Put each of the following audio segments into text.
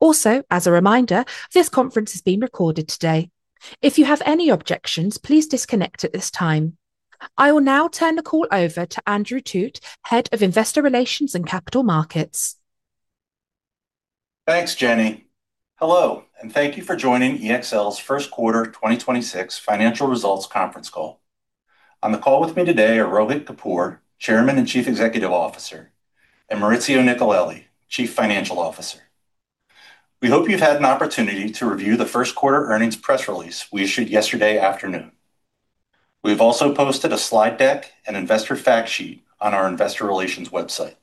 Also, as a reminder, this conference is being recorded today. If you have any objections, please disconnect at this time. I will now turn the call over to Andrew Thut, Head of Investor Relations and Capital Markets. Thanks, Jenny. Hello, and thank you for joining EXL's first quarter 2026 financial results conference call. On the call with me today are Rohit Kapoor, Chairman and Chief Executive Officer, and Maurizio Nicolelli, Chief Financial Officer. We hope you've had an opportunity to review the first quarter earnings press release we issued yesterday afternoon. We've also posted a slide deck and investor fact sheet on our investor relations website.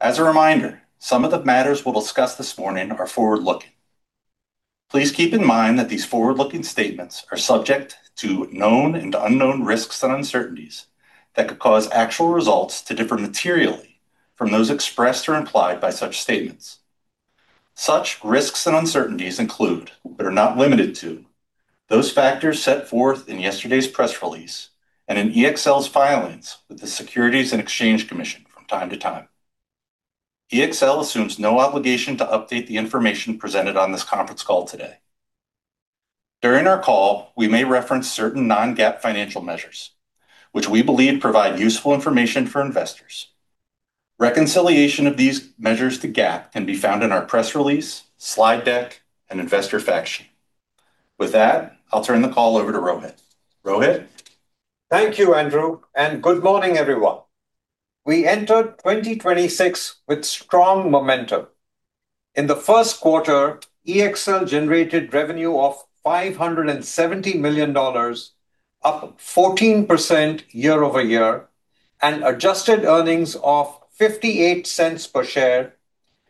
As a reminder, some of the matters we'll discuss this morning are forward-looking. Please keep in mind that these forward-looking statements are subject to known and unknown risks and uncertainties that could cause actual results to differ materially from those expressed or implied by such statements. Such risks and uncertainties include, but are not limited to, those factors set forth in yesterday's press release and in EXL's filings with the Securities and Exchange Commission from time to time. EXL assumes no obligation to update the information presented on this conference call today. During our call, we may reference certain non-GAAP financial measures which we believe provide useful information for investors. Reconciliation of these measures to GAAP can be found in our press release, slide deck, and investor fact sheet. With that, I'll turn the call over to Rohit. Rohit? Thank you, Andrew. Good morning, everyone. We entered 2026 with strong momentum. In the first quarter, EXL generated revenue of $570 million, up 14% year-over-year, and adjusted earnings of $0.58 per share,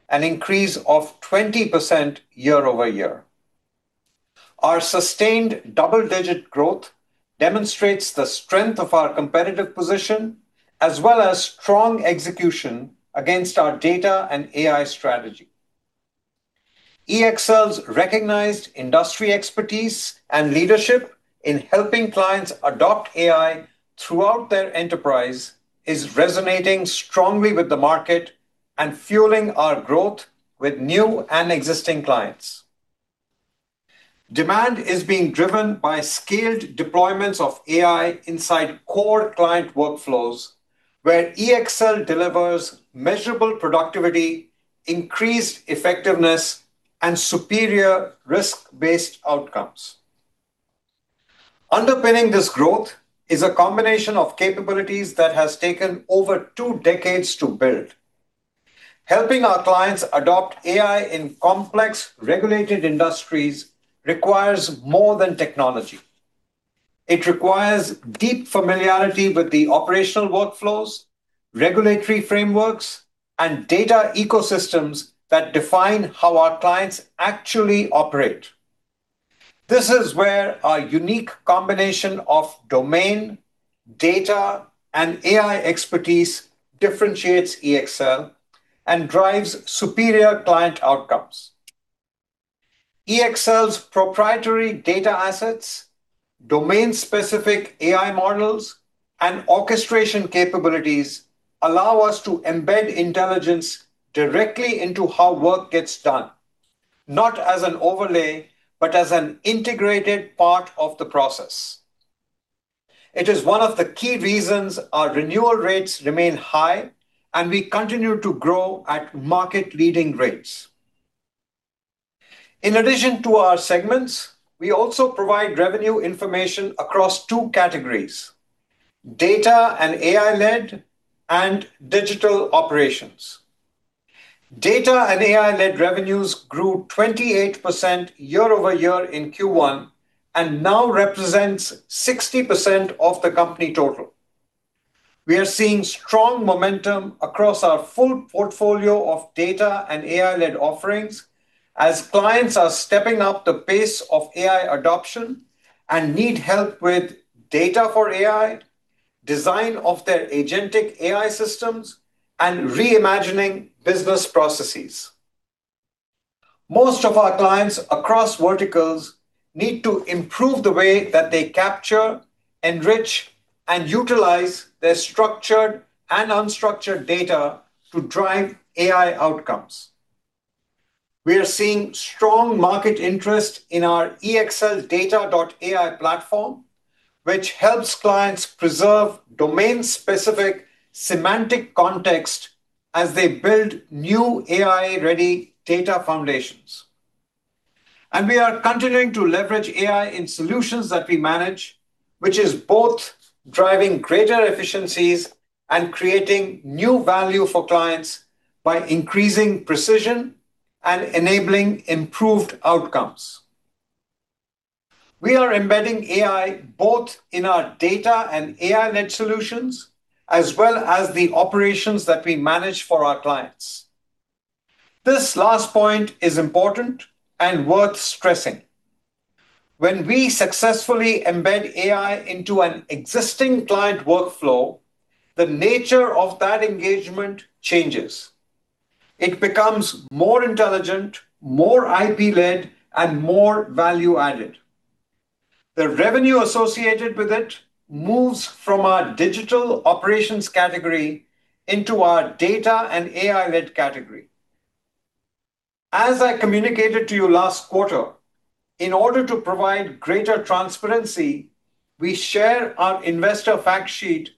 an increase of 20% year-over-year. Our sustained double-digit growth demonstrates the strength of our competitive position as well as strong execution against our data and AI strategy. EXL's recognized industry expertise and leadership in helping clients adopt AI throughout their enterprise is resonating strongly with the market and fueling our growth with new and existing clients. Demand is being driven by scaled deployments of AI inside core client workflows, where EXL delivers measurable productivity, increased effectiveness, and superior risk-based outcomes. Underpinning this growth is a combination of capabilities that has taken over two decades to build. Helping our clients adopt AI in complex regulated industries requires more than technology. It requires deep familiarity with the operational workflows, regulatory frameworks, and data ecosystems that define how our clients actually operate. This is where our unique combination of domain, data, and AI expertise differentiates EXL and drives superior client outcomes. EXL's proprietary data assets, domain-specific AI models, and orchestration capabilities allow us to embed intelligence directly into how work gets done, not as an overlay, but as an integrated part of the process. It is one of the key reasons our renewal rates remain high and we continue to grow at market-leading rates. In addition to our segments, we also provide revenue information across two categories: data and AI-led and digital operations. Data and AI-led revenues grew 28% year-over-year in Q1 and now represents 60% of the company total. We are seeing strong momentum across our full portfolio of data and AI-led offerings as clients are stepping up the pace of AI adoption and need help with data for AI, design of their agentic AI systems, and reimagining business processes. Most of our clients across verticals need to improve the way that they capture, enrich, and utilize their structured and unstructured data to drive AI outcomes. We are seeing strong market interest in our EXLdata.ai platform, which helps clients preserve domain-specific semantic context as they build new AI-ready data foundations. We are continuing to leverage AI in solutions that we manage, which is both driving greater efficiencies and creating new value for clients by increasing precision and enabling improved outcomes. We are embedding AI both in our data and AI-led solutions, as well as the operations that we manage for our clients. This last point is important and worth stressing. When we successfully embed AI into an existing client workflow, the nature of that engagement changes. It becomes more intelligent, more IP-led, and more value-added. The revenue associated with it moves from our digital operations category into our data and AI-led category. As I communicated to you last quarter, in order to provide greater transparency, we share our investor fact sheet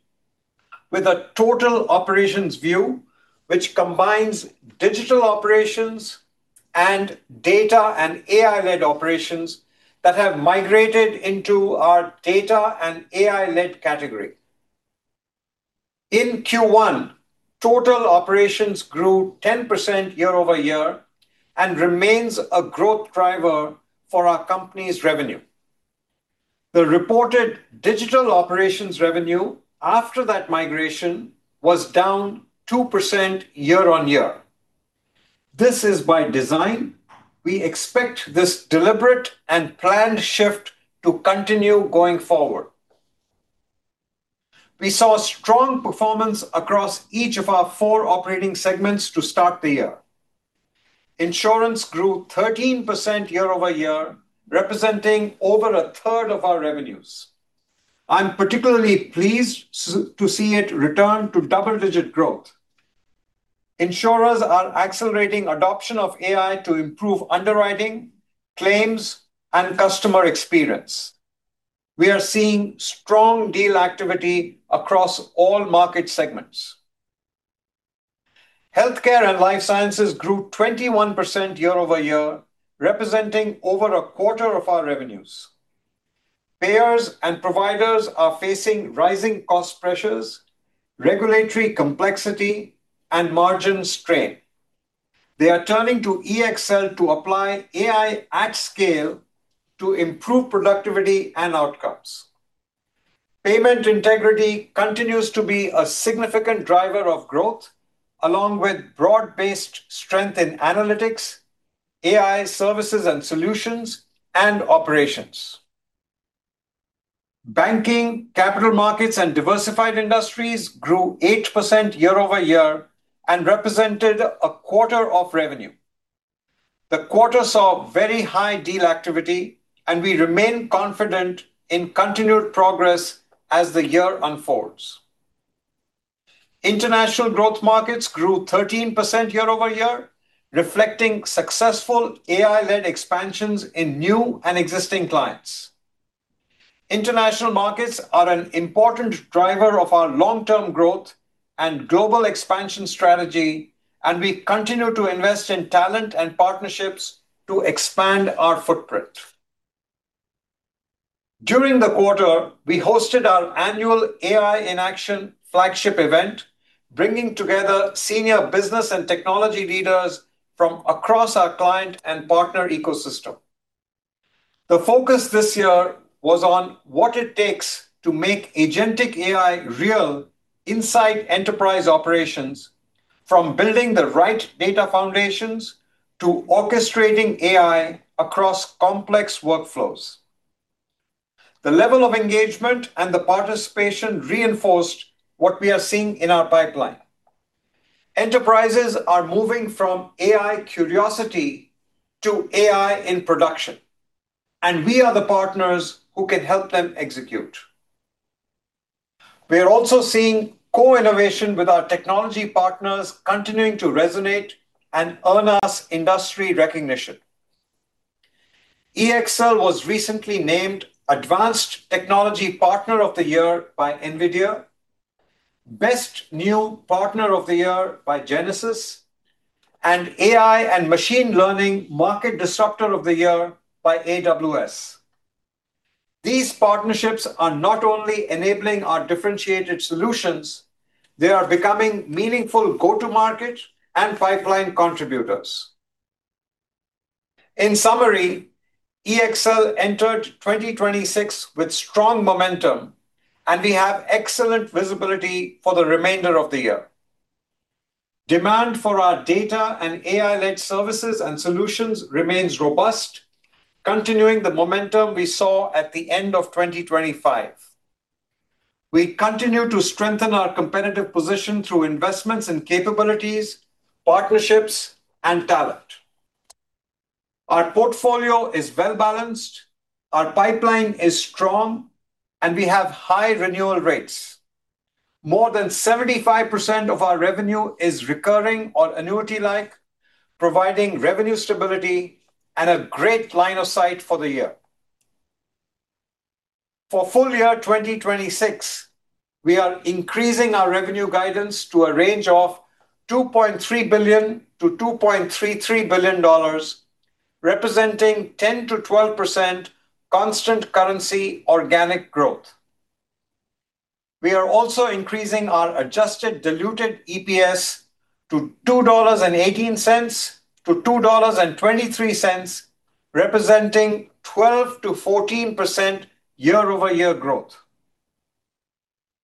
with a total operations view, which combines digital operations and data and AI-led operations that have migrated into our data and AI-led category. In Q1, total operations grew 10% year-over-year and remains a growth driver for our company's revenue. The reported digital operations revenue after that migration was down 2% year-on-year. This is by design. We expect this deliberate and planned shift to continue going forward. We saw strong performance across each of our four operating segments to start the year. Insurance grew 13% year-over-year, representing over 1/3 of our revenues. I'm particularly pleased to see it return to double-digit growth. Insurers are accelerating adoption of AI to improve underwriting, claims, and customer experience. We are seeing strong deal activity across all market segments. Healthcare and Life Sciences grew 21% year-over-year, representing over a quarter of our revenues. Payers and providers are facing rising cost pressures, regulatory complexity, and margin strain. They are turning to EXL to apply AI at scale to improve productivity and outcomes. Payment integrity continues to be a significant driver of growth, along with broad-based strength in analytics, AI services and solutions, and operations. Banking, Capital Markets, and Diversified Industries grew 8% year-over-year and represented a quarter of revenue. The quarter saw very high deal activity, and we remain confident in continued progress as the year unfolds. International growth markets grew 13% year-over-year, reflecting successful AI-led expansions in new and existing clients. International markets are an important driver of our long-term growth and global expansion strategy, and we continue to invest in talent and partnerships to expand our footprint. During the quarter, we hosted our annual AI in Action flagship event, bringing together senior business and technology leaders from across our client and partner ecosystem. The focus this year was on what it takes to make agentic AI real inside enterprise operations, from building the right data foundations to orchestrating AI across complex workflows. The level of engagement and the participation reinforced what we are seeing in our pipeline. Enterprises are moving from AI curiosity to AI in production, and we are the partners who can help them execute. We are also seeing co-innovation with our technology partners continuing to resonate and earn us industry recognition. EXL was recently named Advanced Technology Partner of the Year by NVIDIA, Best New Partner of the Year by Genesys, and AI and Machine Learning Market Disruptor of the Year by AWS. These partnerships are not only enabling our differentiated solutions, they are becoming meaningful go-to-market and pipeline contributors. In summary, EXL entered 2026 with strong momentum, and we have excellent visibility for the remainder of the year. Demand for our data and AI-led services and solutions remains robust, continuing the momentum we saw at the end of 2025. We continue to strengthen our competitive position through investments in capabilities, partnerships, and talent. Our portfolio is well-balanced, our pipeline is strong, and we have high renewal rates. More than 75% of our revenue is recurring or annuity-like, providing revenue stability and a great line of sight for the year. For full year 2026, we are increasing our revenue guidance to a range of $2.3 billion-$2.33 billion, representing 10%-12% constant currency organic growth. We are also increasing our adjusted diluted EPS to $2.18-$2.23, representing 12%-14% year-over-year growth.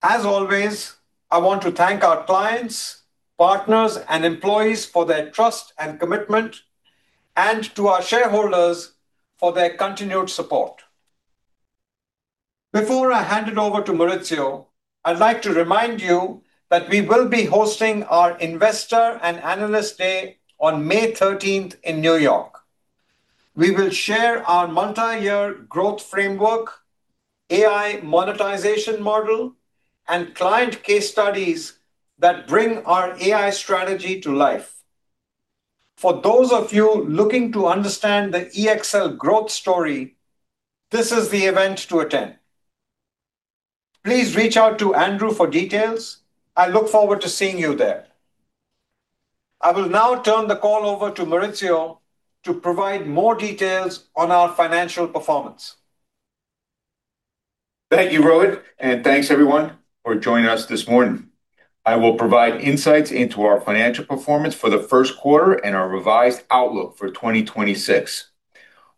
As always, I want to thank our clients, partners, and employees for their trust and commitment, and to our shareholders for their continued support. Before I hand it over to Maurizio, I'd like to remind you that we will be hosting our Investor and Analyst Day on May 13th in New York. We will share our multi-year growth framework, AI monetization model, and client case studies that bring our AI strategy to life. For those of you looking to understand the EXL growth story, this is the event to attend. Please reach out to Andrew for details. I look forward to seeing you there. I will now turn the call over to Maurizio to provide more details on our financial performance. Thank you, Rohit, thanks everyone for joining us this morning. I will provide insights into our financial performance for the first quarter and our revised outlook for 2026.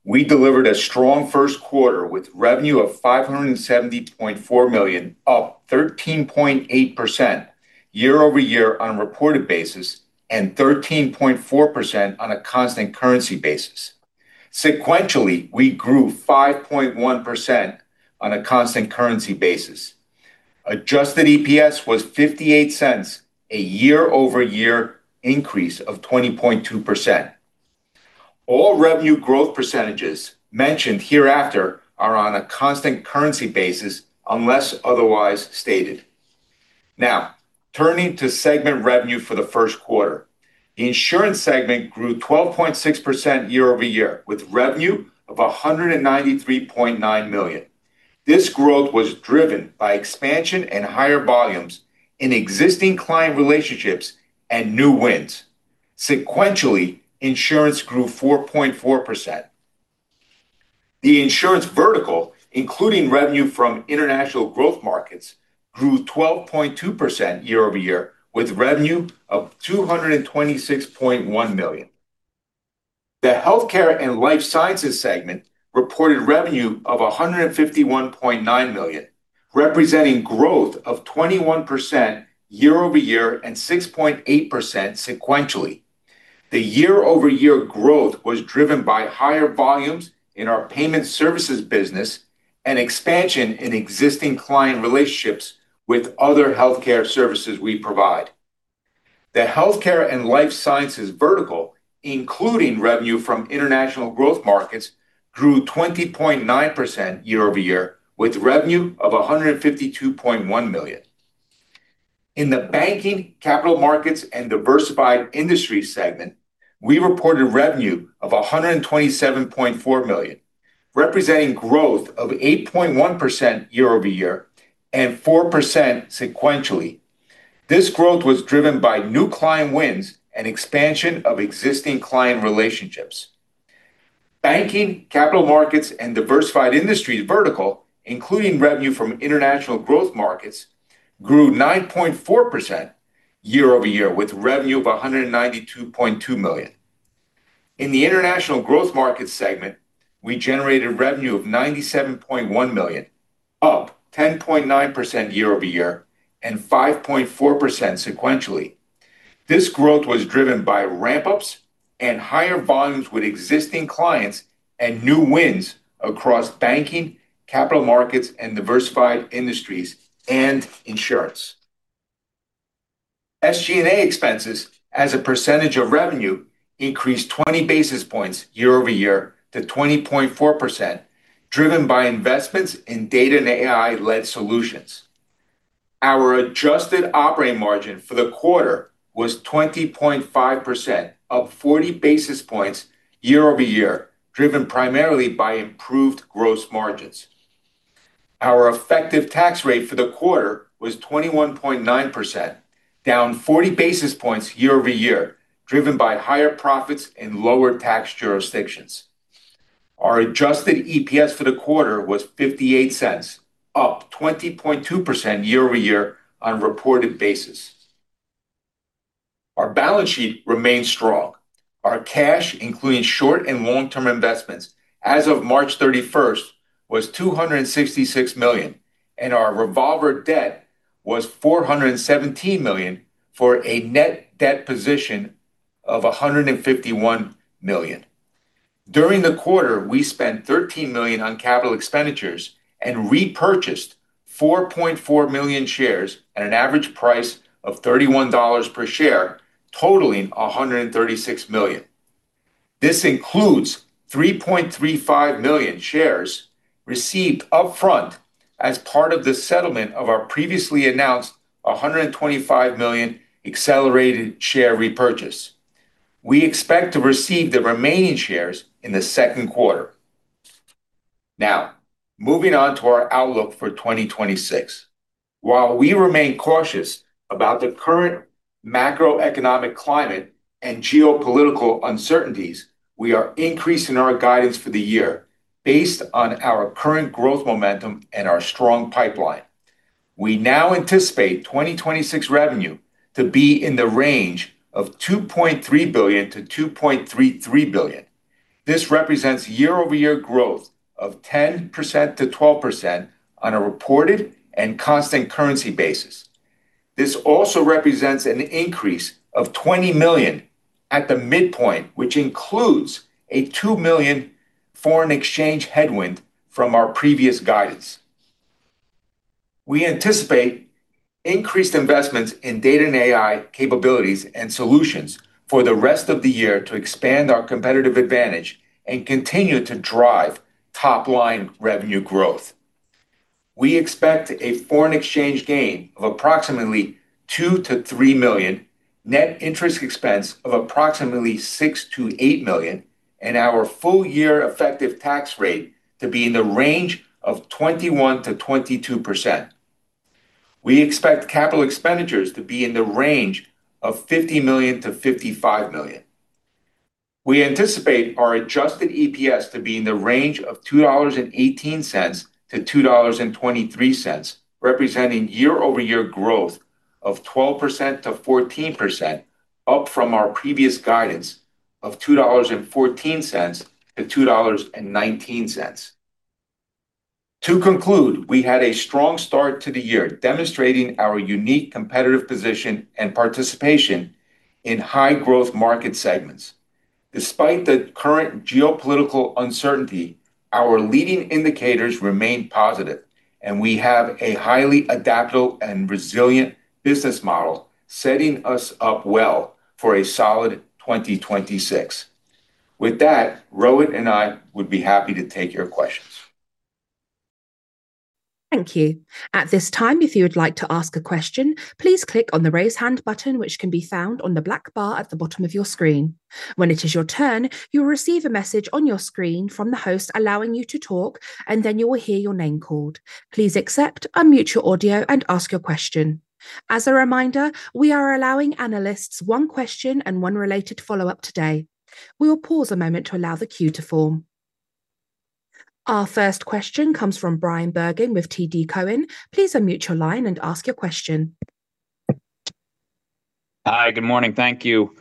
We delivered a strong first quarter with revenue of $570.4 million, up 13.8% year-over-year on a reported basis and 13.4% on a constant currency basis. Sequentially, we grew 5.1% on a constant currency basis. Adjusted EPS was $0.58, a year-over-year increase of 20.2%. All revenue growth percentages mentioned hereafter are on a constant currency basis unless otherwise stated. Now, turning to segment revenue for the first quarter. The insurance segment grew 12.6% year-over-year, with revenue of $193.9 million. This growth was driven by expansion and higher volumes in existing client relationships and new wins. Sequentially, Insurance grew 4.4%. The Insurance vertical, including revenue from international growth markets, grew 12.2% year-over-year, with revenue of $226.1 million. The Healthcare and Life Sciences segment reported revenue of $151.9 million, representing growth of 21% year-over-year and 6.8% sequentially. The year-over-year growth was driven by higher volumes in our payment services business and expansion in existing client relationships with other healthcare services we provide. The Healthcare and Life Sciences vertical, including revenue from international growth markets, grew 20.9% year-over-year, with revenue of $152.1 million. In the banking, capital markets, and diversified industries segment, we reported revenue of $127.4 million, representing growth of 8.1% year-over-year and 4% sequentially. This growth was driven by new client wins and expansion of existing client relationships. Banking, capital markets, and diversified industries vertical, including revenue from international growth markets, grew 9.4% year-over-year, with revenue of $192.2 million. In the international growth markets segment, we generated revenue of $97.1 million, up 10.9% year-over-year and 5.4% sequentially. This growth was driven by ramp-ups and higher volumes with existing clients and new wins across banking, capital markets, and diversified industries and insurance. SG&A expenses as a percentage of revenue increased 20 basis points year-over-year to 20.4%, driven by investments in data and AI-led solutions. Our adjusted operating margin for the quarter was 20.5%, up 40 basis points year-over-year, driven primarily by improved gross margins. Our effective tax rate for the quarter was 21.9%, down 40 basis points year-over-year, driven by higher profits in lower tax jurisdictions. Our adjusted EPS for the quarter was $0.58, up 20.2% year-over-year on a reported basis. Our balance sheet remains strong. Our cash, including short and long-term investments, as of March 31st, was $266 million, and our revolver debt was $417 million for a net debt position of $151 million. During the quarter, we spent $13 million on capital expenditures and repurchased $4.4 million shares at an average price of $31 per share, totaling $136 million. This includes 3.35 million shares received upfront as part of the settlement of our previously announced $125 million accelerated share repurchase. We expect to receive the remaining shares in the second quarter. Moving on to our outlook for 2026. While we remain cautious about the current macroeconomic climate and geopolitical uncertainties, we are increasing our guidance for the year based on our current growth momentum and our strong pipeline. We now anticipate 2026 revenue to be in the range of $2.3 billion-$2.33 billion. This represents year-over-year growth of 10%-12% on a reported and constant currency basis. This also represents an increase of $20 million at the midpoint, which includes a $2 million foreign exchange headwind from our previous guidance. We anticipate increased investments in data and AI capabilities and solutions for the rest of the year to expand our competitive advantage and continue to drive top-line revenue growth. We expect a foreign exchange gain of approximately $2 million-$3 million, net interest expense of approximately $6 million-$8 million, and our full year effective tax rate to be in the range of 21%-22%. We expect capital expenditures to be in the range of $50 million-$55 million. We anticipate our adjusted EPS to be in the range of $2.18-$2.23, representing year-over-year growth of 12%-14%, up from our previous guidance of $2.14-$2.19. To conclude, we had a strong start to the year, demonstrating our unique competitive position and participation in high-growth market segments. Despite the current geopolitical uncertainty, our leading indicators remain positive, and we have a highly adaptable and resilient business model, setting us up well for a solid 2026. With that, Rohit and I would be happy to take your questions. Thank you. At this time, if you would like to ask a question, please click on the Raise Hand button, which can be found on the black bar at the bottom of your screen. When it is your turn, you will receive a message on your screen from the host allowing you to talk, and then you will hear your name called. Please accept, unmute your audio, and ask your question. As a reminder, we are allowing analysts one question and one related follow-up today. We will pause a moment to allow the queue to form. Our first question comes from Bryan Bergin with TD Cowen. Please unmute your line and ask your question. Hi. Good morning. Thank you.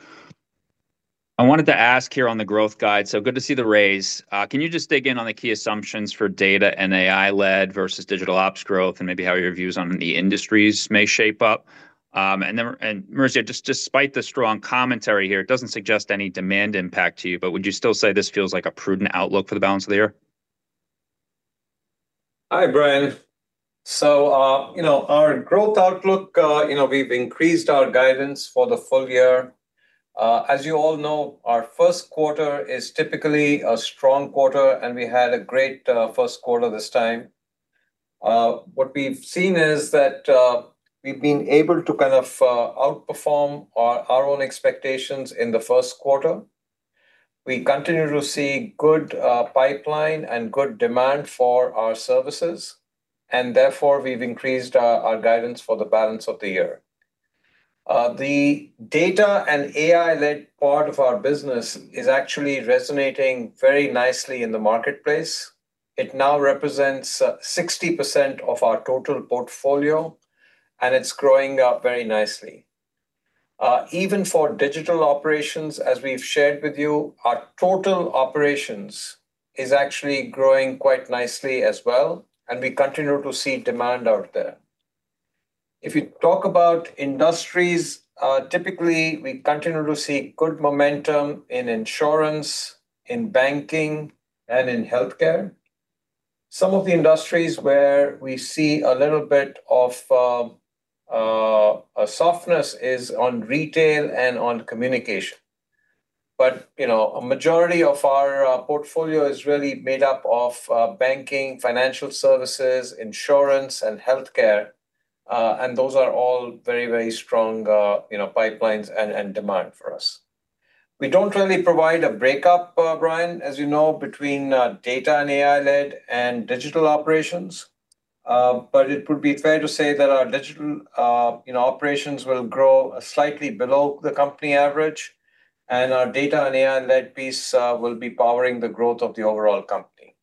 I wanted to ask here on the growth guide. Good to see the raise. Can you just dig in on the key assumptions for data and AI-led versus digital ops growth and maybe how your views on the industries may shape up? Maurizio, despite the strong commentary here, it doesn't suggest any demand impact to you, would you still say this feels like a prudent outlook for the balance of the year? Hi, Bryan. You know, our growth outlook, you know, we've increased our guidance for the full year. As you all know, our first quarter is typically a strong quarter, and we had a great first quarter this time. What we've seen is that we've been able to kind of outperform our own expectations in the first quarter. We continue to see good pipeline and good demand for our services, and therefore, we've increased our guidance for the balance of the year. The data and AI-led part of our business is actually resonating very nicely in the marketplace. It now represents 60% of our total portfolio, and it's growing up very nicely. Even for digital operations, as we've shared with you, our total operations is actually growing quite nicely as well, and we continue to see demand out there. If you talk about industries, typically we continue to see good momentum in insurance, in banking, and in healthcare. Some of the industries where we see a little bit of softness is on retail and on communication. You know, a majority of our portfolio is really made up of banking, financial services, insurance, and healthcare, and those are all very, very strong, you know, pipelines and demand for us. We don't really provide a breakup, Bryan, as you know, between data and AI-led and digital operations. It would be fair to say that our digital, you know, operations will grow slightly below the company average, and our data and AI-led piece will be powering the growth of the overall company.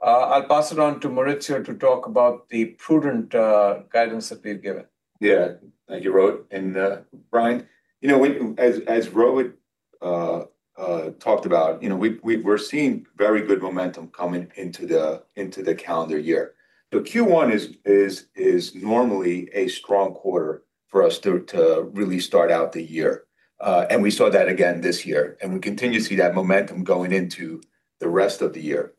I'll pass it on to Maurizio to talk about the prudent guidance that we've given. Yeah. Thank you, Rohit. Bryan, you know, as Rohit talked about, you know, we're seeing very good momentum coming into the calendar year. Q1 is normally a strong quarter for us to really start out the year. We saw that again this year, and we continue to see that momentum going into the rest of the year.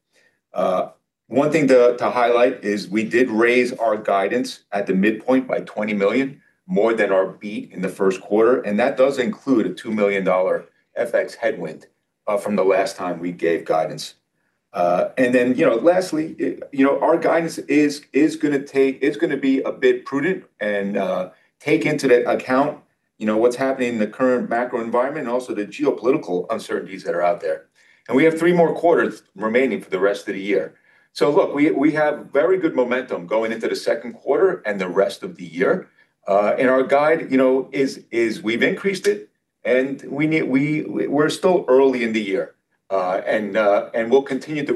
One thing to highlight is we did raise our guidance at the midpoint by $20 million, more than our beat in the first quarter, and that does include a $2 million FX headwind from the last time we gave guidance. You know, lastly, you know, our guidance is gonna be a bit prudent and take into account, you know, what's happening in the current macro environment and also the geopolitical uncertainties that are out there. We have three more quarters remaining for the rest of the year. We have very good momentum going into the second quarter and the rest of the year. Our guide, you know, is we've increased it and we're still early in the year. We'll continue to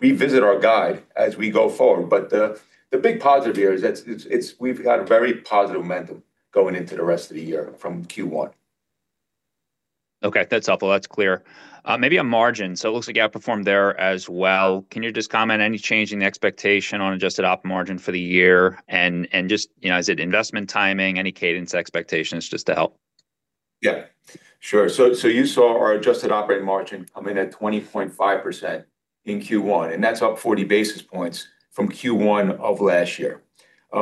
revisit our guide as we go forward. The big positive here is that it's we've got a very positive momentum going into the rest of the year from Q1. Okay, that's helpful. That's clear. Maybe on margin. It looks like you outperformed there as well. Can you just comment, any change in the expectation on adjusted op margin for the year? Just, you know, is it investment timing? Any cadence expectations, just to help? Yeah. Sure. You saw our adjusted operating margin come in at 20.5% in Q1, and that's up 40 basis points from Q1 of last year.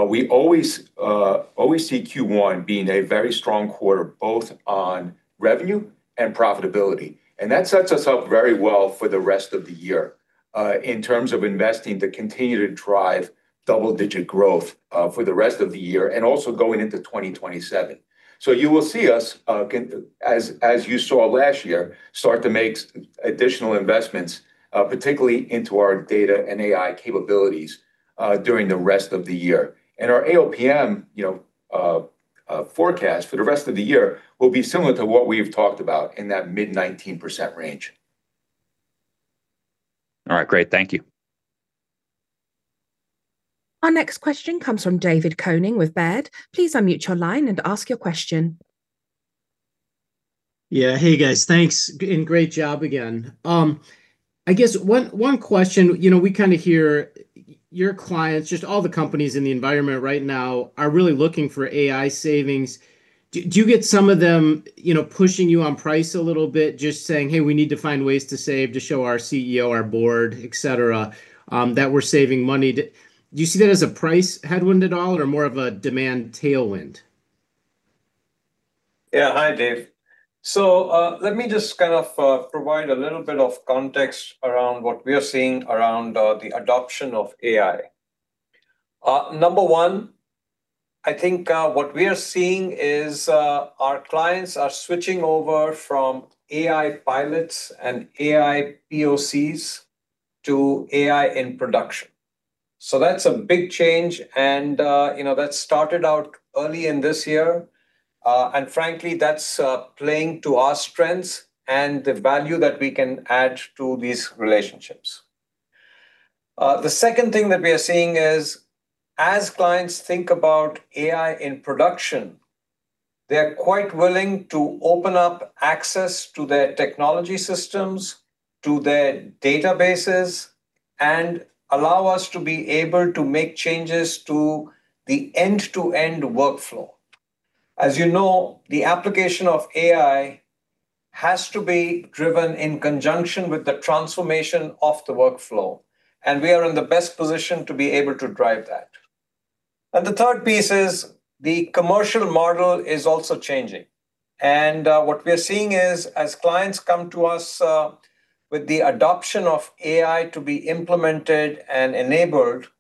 We always see Q1 being a very strong quarter, both on revenue and profitability, and that sets us up very well for the rest of the year, in terms of investing to continue to drive double-digit growth for the rest of the year and also going into 2027. You will see us as you saw last year, start to make additional investments, particularly into our data and AI capabilities during the rest of the year. Our AOPM, you know, forecast for the rest of the year will be similar to what we have talked about in that mid-19% range. All right, great. Thank you. Our next question comes from David Koning with Baird. Please unmute your line and ask your question. Yeah. Hey, guys. Thanks, and great job again. I guess one question. You know, we kinda hear your clients, just all the companies in the environment right now are really looking for AI savings. Do you get some of them, you know, pushing you on price a little bit just saying, "Hey, we need to find ways to save to show our CEO, our board, et cetera, that we're saving money?" Do you see that as a price headwind at all or more of a demand tailwind? Yeah. Hi, Dave. Let me just kind of provide a little bit of context around what we are seeing around the adoption of AI. Number one, I think, what we are seeing is, our clients are switching over from AI pilots and AI POCs to AI in production. That's a big change and, you know, that started out early in this year. Frankly, that's playing to our strengths and the value that we can add to these relationships. The second thing that we are seeing is, as clients think about AI in production, they're quite willing to open up access to their technology systems, to their databases, and allow us to be able to make changes to the end-to-end workflow. As you know, the application of AI has to be driven in conjunction with the transformation of the workflow, and we are in the best position to be able to drive that. The third piece is the commercial model is also changing. What we are seeing is, as clients come to us, with the adoption of AI to be implemented and enabled,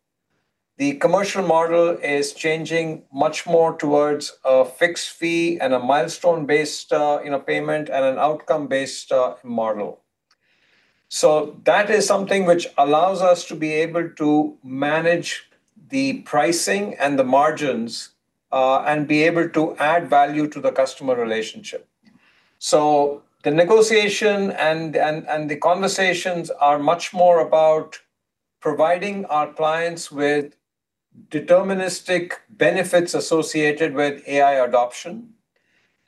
the commercial model is changing much more towards a fixed fee and a milestone-based, you know, payment and an outcome-based model. That is something which allows us to be able to manage the pricing and the margins and be able to add value to the customer relationship. The negotiation and the conversations are much more about providing our clients with deterministic benefits associated with AI adoption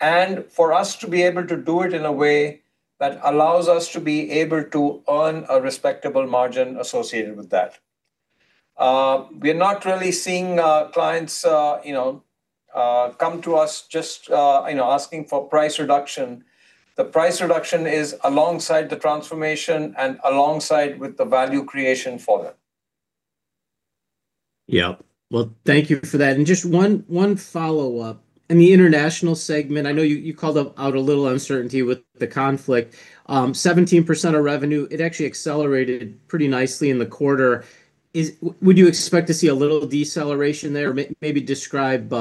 and for us to be able to do it in a way that allows us to be able to earn a respectable margin associated with that. We're not really seeing clients, you know, come to us just, you know, asking for price reduction. The price reduction is alongside the transformation and alongside with the value creation for them. Yep. Well, thank you for that. Just one follow-up. In the international segment, I know you called out a little uncertainty with the conflict. 17% of revenue, it actually accelerated pretty nicely in the quarter. Would you expect to see a little deceleration there? Maybe describe,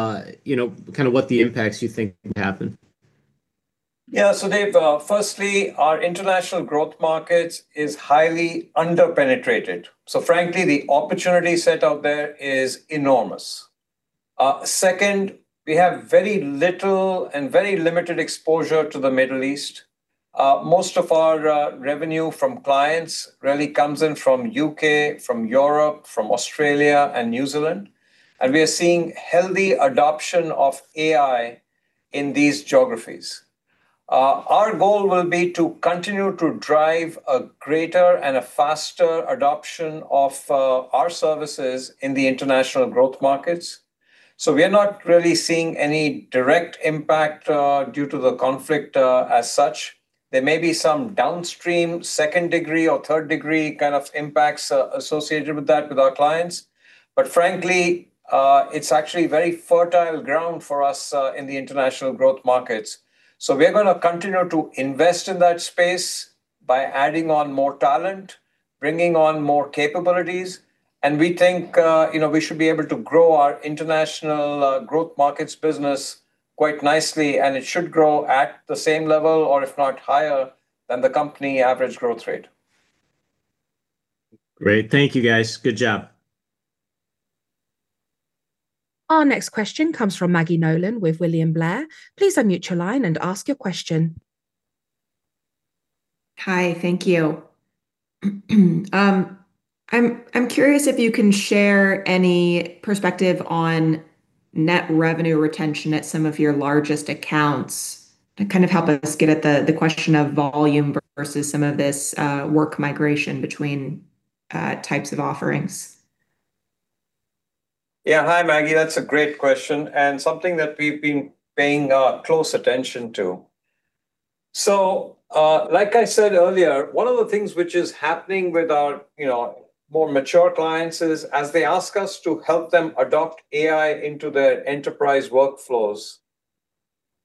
you know, kinda what the impacts you think can happen. David, firstly, our international growth markets is highly under-penetrated, frankly, the opportunity set out there is enormous. Second, we have very little and very limited exposure to the Middle East. Most of our revenue from clients really comes in from U.K., from Europe, from Australia and New Zealand, we are seeing healthy adoption of AI in these geographies. Our goal will be to continue to drive a greater and a faster adoption of our services in the international growth markets. We are not really seeing any direct impact due to the conflict as such. There may be some downstream second-degree or third-degree kind of impacts associated with that with our clients. Frankly, it's actually very fertile ground for us in the international growth markets. We're gonna continue to invest in that space by adding on more talent, bringing on more capabilities, and we think, you know, we should be able to grow our international, growth markets business quite nicely, and it should grow at the same level or if not higher than the company average growth rate. Great. Thank you, guys. Good job. Our next question comes from Maggie Nolan with William Blair please unmute your line and ask your question. Hi, thank you. I'm curious if you can share any perspective on net revenue retention at some of your largest accounts to kind of help us get at the question of volume versus some of this work migration between types of offerings. Yeah. Hi, Maggie. That's a great question and something that we've been paying close attention to. Like I said earlier, one of the things which is happening with our, you know, more mature clients is, as they ask us to help them adopt AI into their enterprise workflows,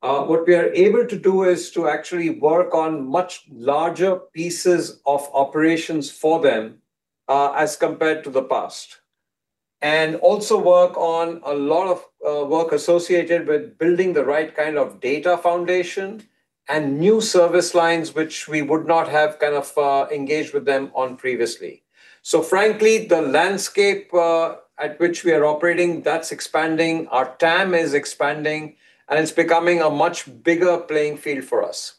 what we are able to do is to actually work on much larger pieces of operations for them, as compared to the past. Also work on a lot of work associated with building the right kind of data foundation and new service lines which we would not have kind of engaged with them on previously. Frankly, the landscape at which we are operating, that's expanding, our TAM is expanding, and it's becoming a much bigger playing field for us.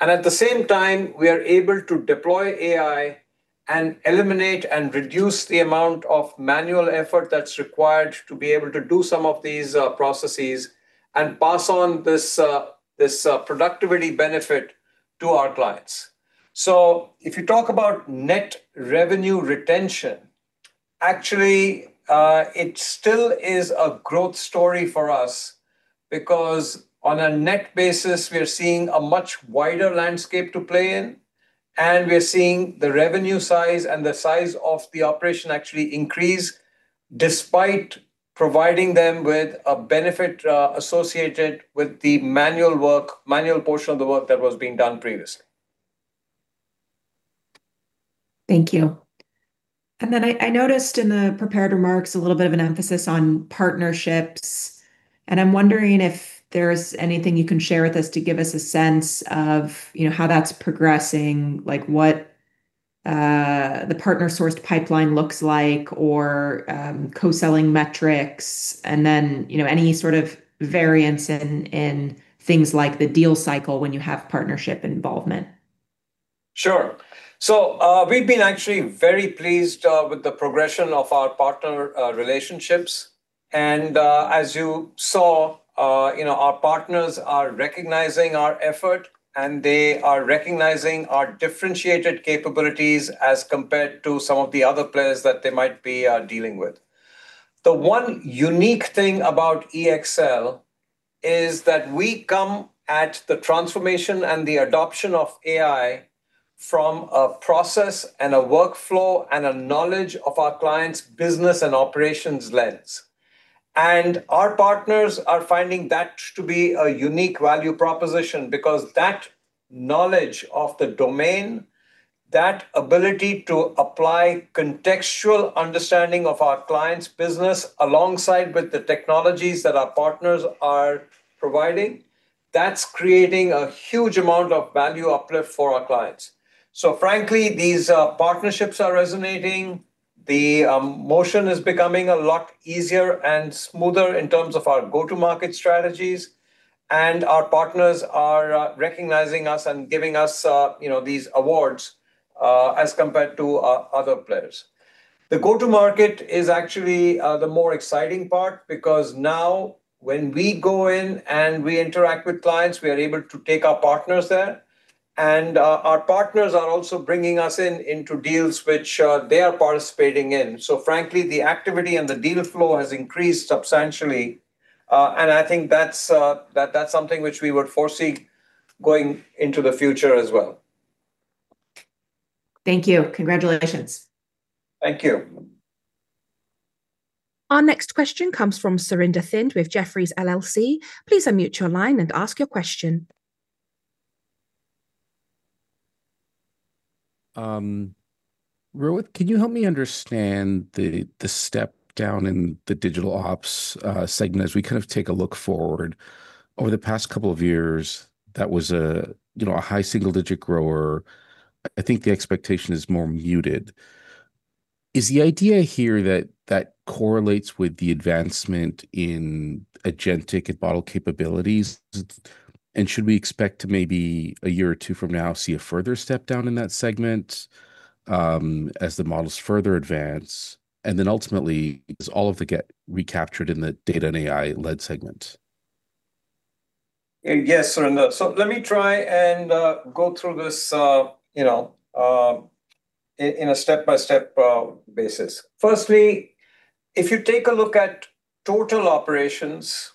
At the same time, we are able to deploy AI and eliminate and reduce the amount of manual effort that's required to be able to do some of these processes and pass on this productivity benefit to our clients. If you talk about net revenue retention, actually, it still is a growth story for us because on a net basis we're seeing a much wider landscape to play in, and we are seeing the revenue size and the size of the operation actually increase despite providing them with a benefit associated with the manual work, manual portion of the work that was being done previously. Thank you. I noticed in the prepared remarks a little bit of an emphasis on partnerships, and I'm wondering if there's anything you can share with us to give us a sense of, you know, how that's progressing, like what the partner-sourced pipeline looks like or co-selling metrics and then, you know, any sort of variance in things like the deal cycle when you have partnership involvement? Sure. We've been actually very pleased with the progression of our partner relationships. As you saw, you know, our partners are recognizing our effort, and they are recognizing our differentiated capabilities as compared to some of the other players that they might be dealing with. The one unique thing about EXL is that we come at the transformation and the adoption of AI from a process and a workflow and a knowledge of our clients' business and operations lens. Our partners are finding that to be a unique value proposition because that knowledge of the domain, that ability to apply contextual understanding of our clients' business alongside with the technologies that our partners are providing, that's creating a huge amount of value uplift for our clients. Frankly, these partnerships are resonating. The motion is becoming a lot easier and smoother in terms of our go-to market strategies. Our partners are recognizing us and giving us, you know, these awards as compared to other players. The go-to market is actually the more exciting part because now when we go in and we interact with clients, we are able to take our partners there. Our partners are also bringing us in into deals which they are participating in. Frankly, the activity and the deal flow has increased substantially, and I think that's that's something which we would foresee going into the future as well. Thank you. Congratulations. Thank you. Our next question comes from Surinder Thind with Jefferies LLC. Please unmute your line and ask your question. Rohit, can you help me understand the step down in the digital ops segment as we take a look forward? Over the past couple of years, that was a high single-digit grower. I think the expectation is more muted. Is the idea here that that correlates with the advancement in agentic and model capabilities? Should we expect to maybe, a year or two from now, see a further step down in that segment as the models further advance? Ultimately, is all of the gap recaptured in the data and AI-led segment? Yes, Surinder. Let me try and go through this in a step-by-step basis. Firstly, if you take a look at total operations,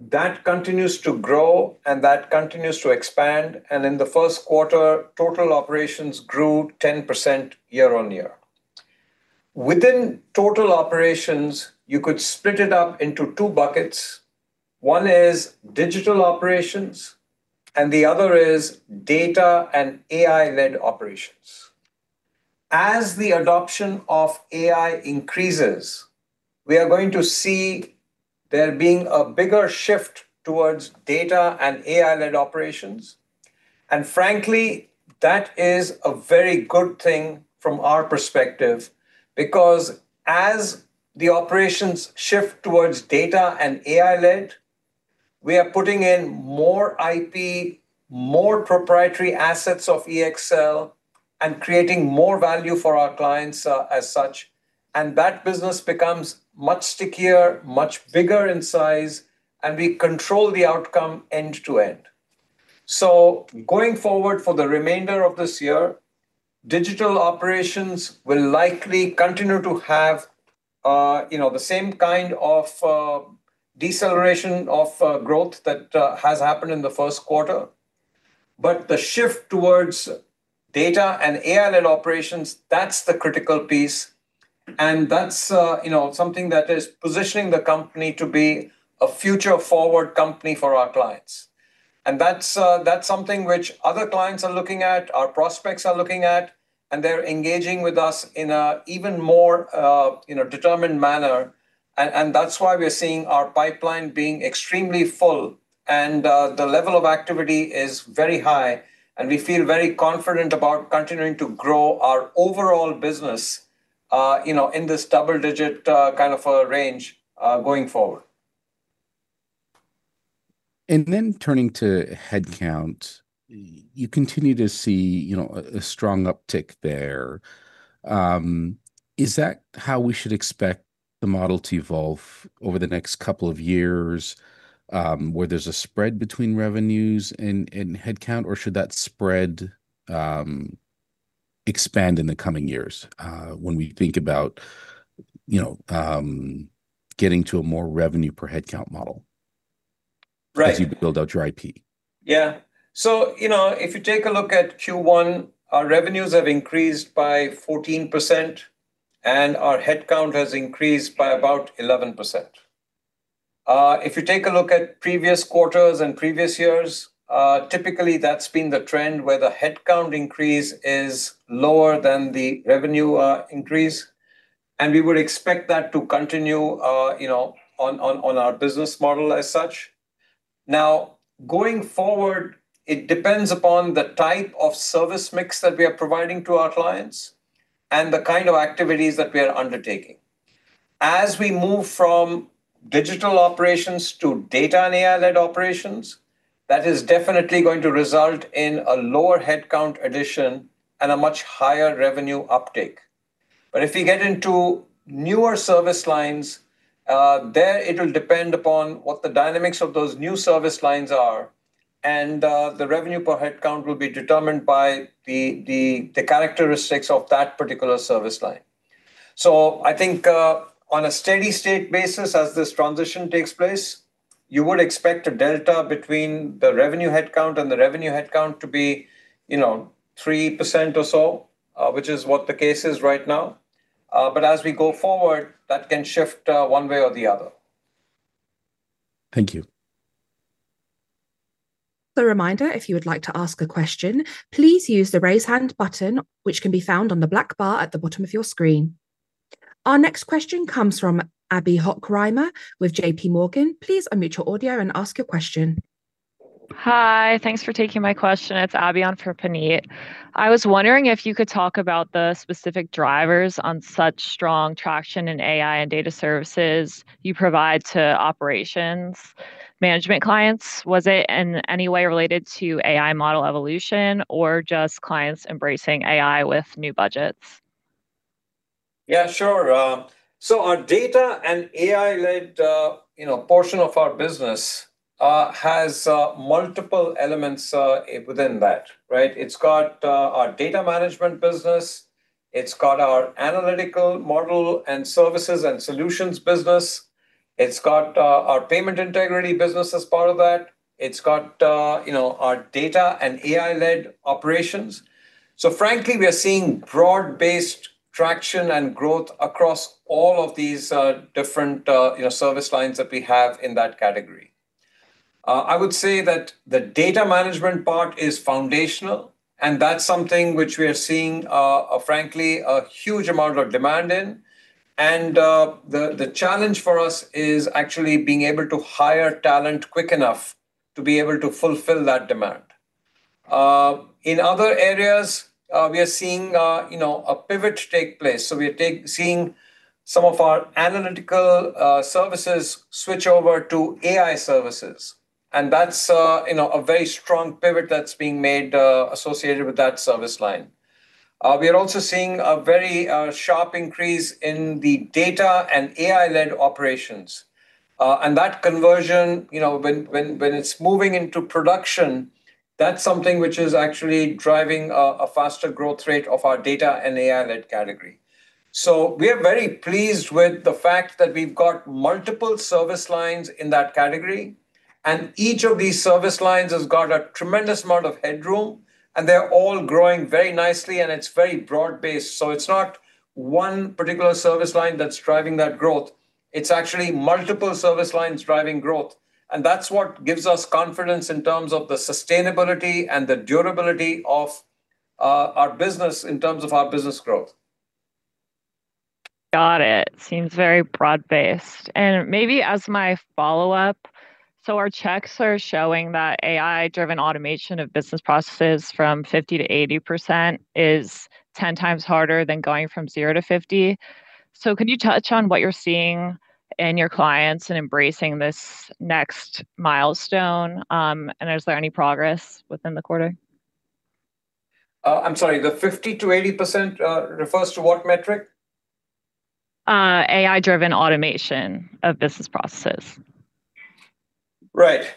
that continues to grow and that continues to expand. In the first quarter, total operations grew 10% year-on-year. Within total operations, you could split it up into two buckets. One is digital operations, and the other is data and AI-led operations. As the adoption of AI increases, we are going to see there being a bigger shift towards data and AI-led operations. Frankly, that is a very good thing from our perspective because as the operations shift towards data and AI-led, we are putting in more IP, more proprietary assets of EXL, and creating more value for our clients as such. That business becomes much stickier, much bigger in size, and we control the outcome end to end. Going forward, for the remainder of this year, digital operations will likely continue to have, you know, the same kind of deceleration of growth that has happened in the first quarter. The shift towards data and AI-led operations, that's the critical piece. That's, you know, something that is positioning the company to be a future-forward company for our clients. That's, that's something which other clients are looking at, our prospects are looking at, and they're engaging with us in a even more, you know, determined manner. That's why we are seeing our pipeline being extremely full and the level of activity is very high, and we feel very confident about continuing to grow our overall business, you know, in this double digit kind of a range going forward. Turning to headcount, you continue to see, you know, a strong uptick there. Is that how we should expect the model to evolve over the next couple of years, where there's a spread between revenues and headcount? Should that spread expand in the coming years, when we think about, you know, getting to a more revenue per headcount model, as you build out your IP? Yeah. you know, if you take a look at Q1, our revenues have increased by 14%, and our headcount has increased by about 11%. If you take a look at previous quarters and previous years, typically that's been the trend where the headcount increase is lower than the revenue increase. We would expect that to continue, you know, on our business model as such. Now, going forward, it depends upon the type of service mix that we are providing to our clients and the kind of activities that we are undertaking. As we move from Digital Operations to data and AI-led operations, that is definitely going to result in a lower headcount addition and a much higher revenue uptake. If we get into newer service lines, there it'll depend upon what the dynamics of those new service lines are. The revenue per headcount will be determined by the characteristics of that particular service line. I think, on a steady state basis, as this transition takes place, you would expect a delta between the revenue headcount and the revenue headcount to be, you know, 3% or so, which is what the case is right now. As we go forward, that can shift one way or the other. Thank you. As reminder, if you would like to ask a question, please use the Raise Hand button, which can be found on the black bar at the bottom of your screen. Our next question comes from Abbey Hochreiner with JPMorgan. Please unmute your audio and ask your question. Hi. Thanks for taking my question. It's Abbey on for Puneet. I was wondering if you could talk about the specific drivers on such strong traction in AI and data services you provide to operations management clients. Was it in any way related to AI model evolution or just clients embracing AI with new budgets? Yeah, sure. Our data and AI-led, you know, portion of our business has multiple elements within that, right? It's got our data management business. It's got our analytical model and services and solutions business. It's got our payment integrity business as part of that. It's got, you know, our data and AI-led operations. Frankly, we are seeing broad-based traction and growth across all of these different, you know, service lines that we have in that category. I would say that the data management part is foundational, and that's something which we are seeing, frankly, a huge amount of demand in. The challenge for us is actually being able to hire talent quick enough to be able to fulfill that demand. In other areas, we are seeing, you know, a pivot take place. We are seeing some of our analytical services switch over to AI services. That's, you know, a very strong pivot that's being made associated with that service line. We are also seeing a very sharp increase in the data and AI-led operations. That conversion, you know, when it's moving into production, that's something which is actually driving a faster growth rate of our data and AI-led category. We are very pleased with the fact that we've got multiple service lines in that category. Each of these service lines has got a tremendous amount of headroom, and they're all growing very nicely, and it's very broad based. It's not one particular service line that's driving that growth. It's actually multiple service lines driving growth. That's what gives us confidence in terms of the sustainability and the durability of our business in terms of our business growth. Got it. Seems very broad based. Maybe as my follow-up, our checks are showing that AI-driven automation of business processes from 50%-80% is 10 times harder than going from 0%-50%. Can you touch on what you're seeing in your clients in embracing this next milestone? Is there any progress within the quarter? I'm sorry, the 50%-80% refers to what metric? AI-driven automation of business processes. Right.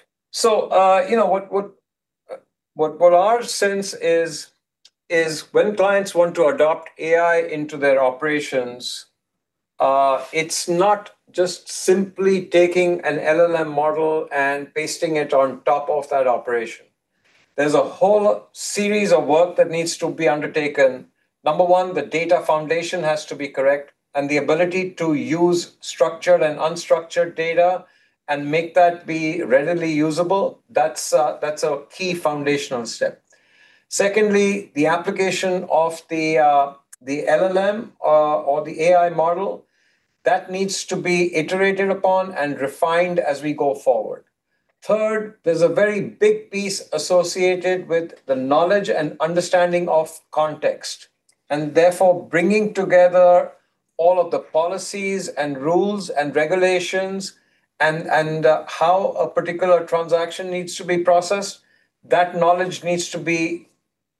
Our sense is when clients want to adopt AI into their operations, it's not just simply taking an LLM model and pasting it on top of that operation. There's a whole series of work that needs to be undertaken. Number one, the data foundation has to be correct, and the ability to use structured and unstructured data and make that be readily usable, that's a key foundational step. Secondly, the application of the LLM or the AI model, that needs to be iterated upon and refined as we go forward. Third, there's a very big piece associated with the knowledge and understanding of context, and therefore bringing together all of the policies and rules and regulations and how a particular transaction needs to be processed. That knowledge needs to be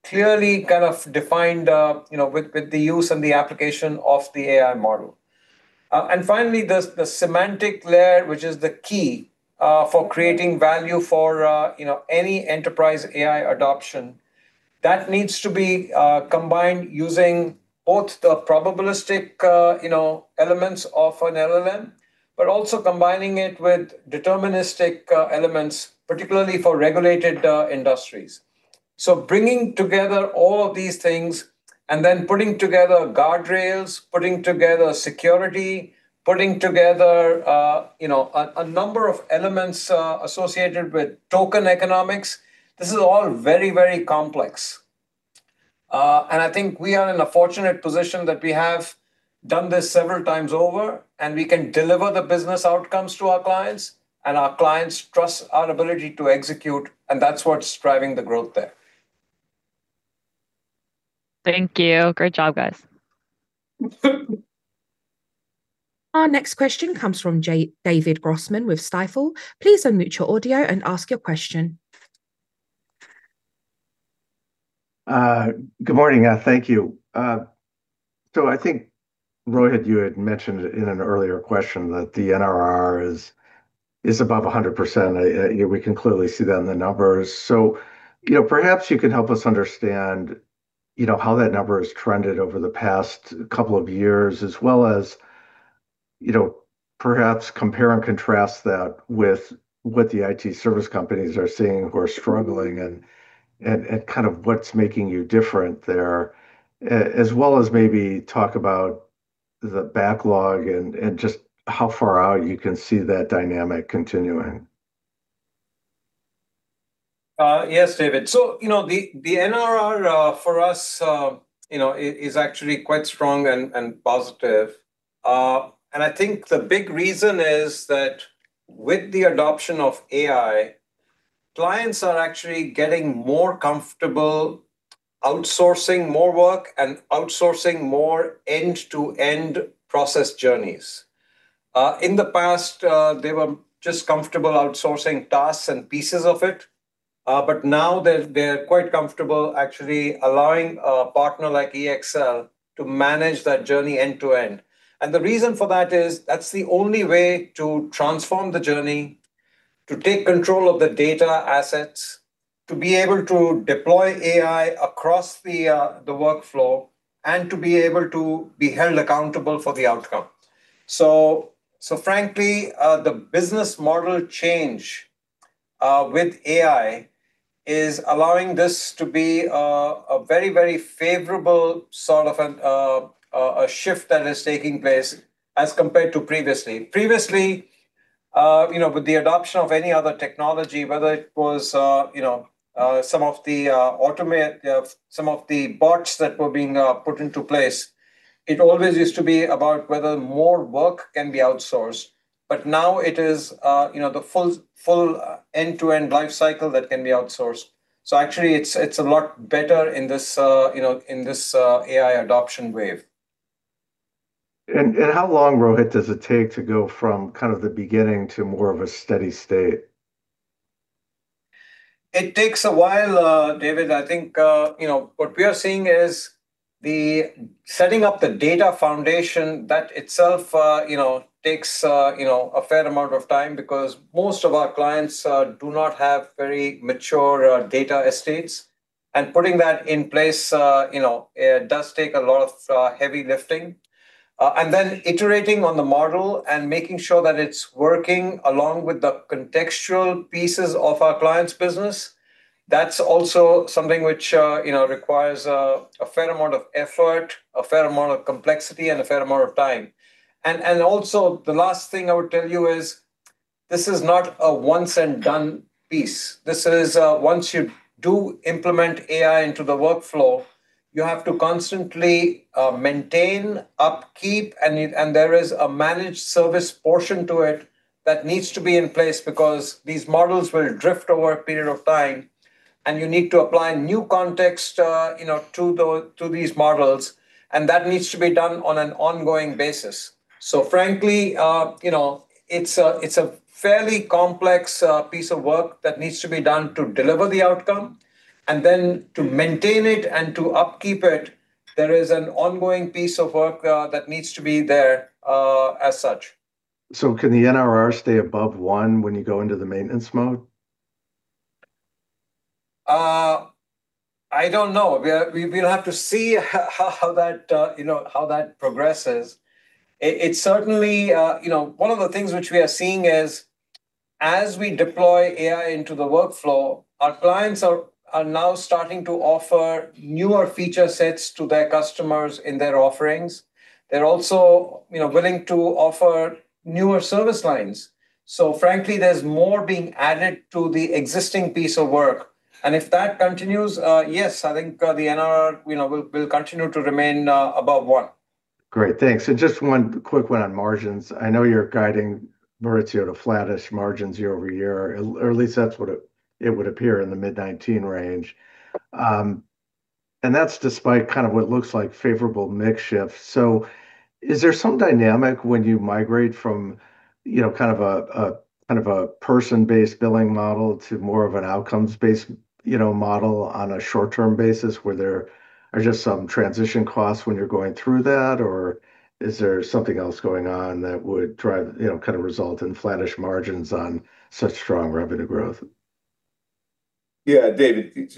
clearly kind of defined, you know, with the use and the application of the AI model. Finally, the semantic layer, which is the key for creating value for, you know, any enterprise AI adoption, that needs to be combined using both the probabilistic, you know, elements of an LLM, but also combining it with deterministic elements, particularly for regulated industries. Bringing together all of these things and then putting together guardrails, putting together security, putting together, you know, a number of elements associated with tokenomics, this is all very, very complex. I think we are in a fortunate position that we have done this several times over, and we can deliver the business outcomes to our clients, and our clients trust our ability to execute, and that's what's driving the growth there. Thank you. Great job, guys. Our next question comes from David Grossman with Stifel. Please unmute your audio and ask your question. Good morning. Thank you. I think, Rohit, you had mentioned in an earlier question that the NRR is above 100%. You know, we can clearly see that in the numbers. You know, perhaps you can help us understand, you know, how that number has trended over the past couple of years as well as, you know, perhaps compare and contrast that with what the IT service companies are seeing who are struggling and kind of what's making you different there. As well as maybe talk about the backlog and just how far out you can see that dynamic continuing. Yes, David. You know, the NRR for us, you know, is actually quite strong and positive. And I think the big reason is that with the adoption of AI, clients are actually getting more comfortable outsourcing more work and outsourcing more end-to-end process journeys. In the past, they were just comfortable outsourcing tasks and pieces of it, but now they're quite comfortable actually allowing a partner like EXL to manage that journey end-to-end. The reason for that is that's the only way to transform the journey, to take control of the data assets, to be able to deploy AI across the workflow, and to be able to be held accountable for the outcome. Frankly, the business model change with AI is allowing this to be a very favorable sort of a shift that is taking place as compared to previously. Previously, you know, with the adoption of any other technology, whether it was, you know, some of the bots that were being put into place, it always used to be about whether more work can be outsourced. Now it is, you know, the full end-to-end life cycle that can be outsourced. Actually it's a lot better in this, you know, in this AI adoption wave. How long, Rohit, does it take to go from kind of the beginning to more of a steady state? It takes a while, David. I think, you know, what we are seeing is Setting up the data foundation, that itself, you know, takes, you know, a fair amount of time because most of our clients do not have very mature data estates. Putting that in place, you know, does take a lot of heavy lifting. Iterating on the model and making sure that it's working along with the contextual pieces of our clients' business, that's also something which, you know, requires a fair amount of effort, a fair amount of complexity, and a fair amount of time. The last thing I would tell you is this is not a once and done piece. This is, once you do implement AI into the workflow, you have to constantly, maintain, upkeep, and there is a managed service portion to it that needs to be in place because these models will drift over a period of time, and you need to apply new context, you know, to the, to these models, and that needs to be done on an ongoing basis. Frankly, you know, it's a, it's a fairly complex, piece of work that needs to be done to deliver the outcome, and then to maintain it and to upkeep it. There is an ongoing piece of work, that needs to be there, as such. Can the NRR stay above 1 when you go into the maintenance mode? I don't know. We'll have to see how that, you know, how that progresses. It certainly, you know, one of the things which we are seeing is, as we deploy AI into the workflow, our clients are now starting to offer newer feature sets to their customers in their offerings. They're also, you know, willing to offer newer service lines. Frankly, there's more being added to the existing piece of work, and if that continues, yes, I think, the NRR, you know, will continue to remain above one. Great. Thanks. Just one quick one on margins. I know you're guiding Maurizio to flattish margins year-over-year, or at least that's what it would appear in the mid-19% range. That's despite kind of what looks like favorable mix shift. Is there some dynamic when you migrate from, you know, kind of a person-based billing model to more of an outcomes-based, you know, model on a short-term basis where there are just some transition costs when you're going through that? Or is there something else going on that would drive, you know, kind of result in flattish margins on such strong revenue growth? Yeah, David, it's,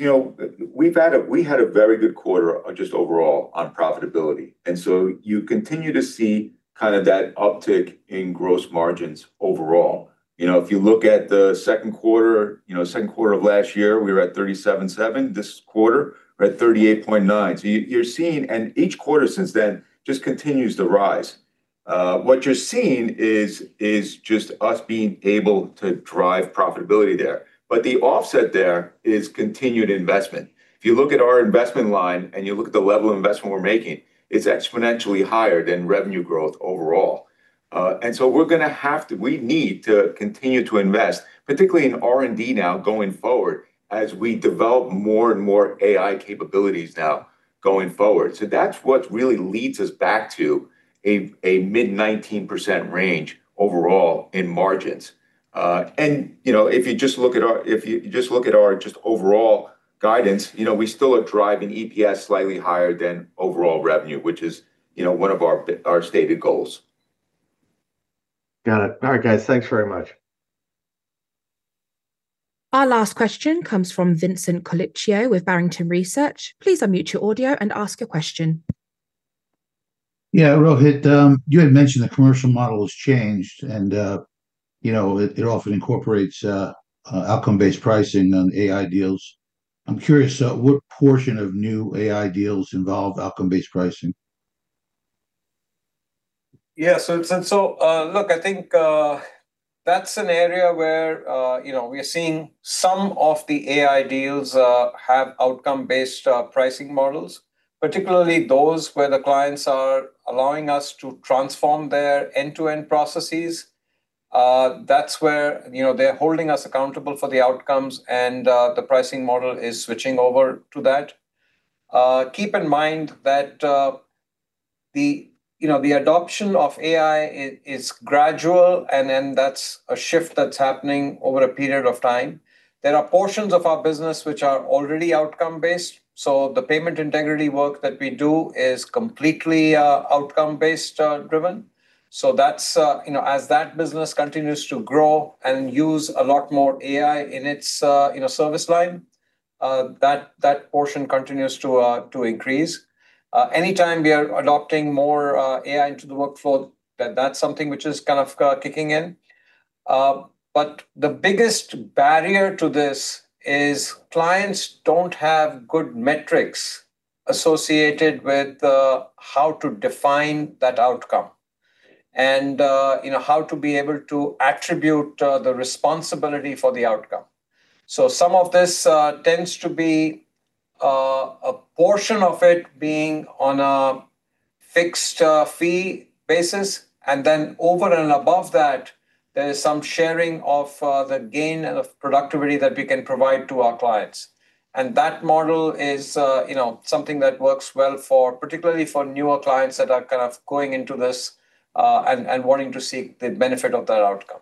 we had a very good quarter just overall on profitability, and so you continue to see kind of that uptick in gross margins overall. If you look at the second quarter, second quarter of last year, we were at 37.7%. This quarter, we're at 38.9%. You're seeing, and each quarter since then just continues to rise. What you're seeing is just us being able to drive profitability there. The offset there is continued investment. If you look at our investment line and you look at the level of investment we're making, it's exponentially higher than revenue growth overall. We need to continue to invest, particularly in R&D now going forward, as we develop more and more AI capabilities now going forward. That's what really leads us back to a mid-19% range overall in margins. You know, if you just look at our just overall guidance, you know, we still are driving EPS slightly higher than overall revenue, which is, you know, one of our stated goals. Got it. All right, guys. Thanks very much. Our last question comes from Vincent Colicchio with Barrington Research. Please unmute your audio and ask a question. Rohit, you had mentioned the commercial model has changed and, you know, it often incorporates outcome-based pricing on AI deals. I'm curious, what portion of new AI deals involve outcome-based pricing? Look, I think that's an area where, you know, we are seeing some of the AI deals have outcome-based pricing models, particularly those where the clients are allowing us to transform their end-to-end processes. That's where, you know, they're holding us accountable for the outcomes and the pricing model is switching over to that. Keep in mind that the, you know, the adoption of AI is gradual, that's a shift that's happening over a period of time. There are portions of our business which are already outcome based. The payment integrity work that we do is completely outcome based driven. you know, as that business continues to grow and use a lot more AI in its, you know, service line, that portion continues to increase. Anytime we are adopting more AI into the workflow, that's something which is kind of kicking in. The biggest barrier to this is clients don't have good metrics associated with how to define that outcome and, you know, how to be able to attribute the responsibility for the outcome. Some of this tends to be a portion of it being on a fixed fee basis, and then over and above that, there is some sharing of the gain of productivity that we can provide to our clients. That model is, you know, something that works well for, particularly for newer clients that are kind of going into this, and wanting to see the benefit of that outcome.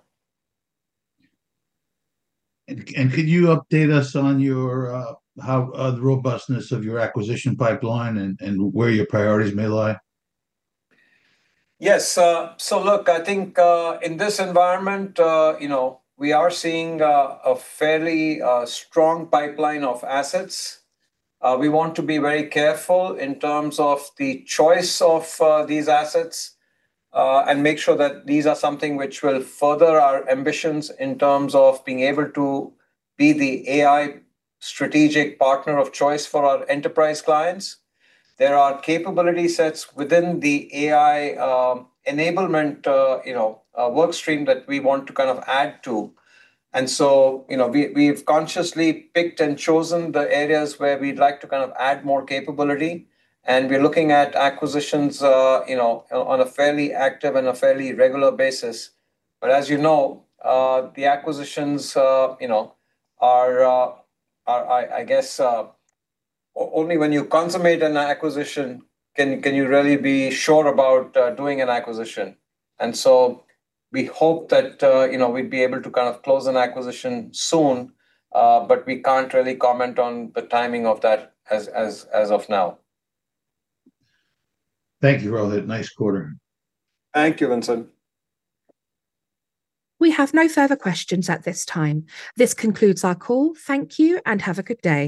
Could you update us on your, how the robustness of your acquisition pipeline and where your priorities may lie? Yes. Look, I think, in this environment, you know, we are seeing a fairly strong pipeline of assets. We want to be very careful in terms of the choice of these assets and make sure that these are something which will further our ambitions in terms of being able to be the AI strategic partner of choice for our enterprise clients. There are capability sets within the AI enablement, you know, work stream that we want to kind of add to. You know, we've consciously picked and chosen the areas where we'd like to kind of add more capability, and we're looking at acquisitions, you know, on a fairly active and a fairly regular basis. As you know, the acquisitions, you know, are, I guess, only when you consummate an acquisition can you really be sure about doing an acquisition. So we hope that, you know, we'd be able to kind of close an acquisition soon, but we can't really comment on the timing of that as of now. Thank you, Rohit. Nice quarter. Thank you, Vincent. We have no further questions at this time. This concludes our call. Thank you and have a good day.